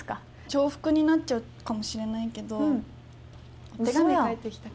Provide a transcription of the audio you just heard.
重複になっちゃうかもしれないけど。